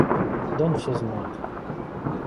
Да он все знает.